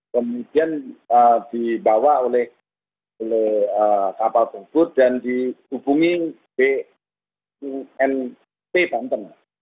kemudian dibawa oleh kapal pukul dan dihubungi bnp banten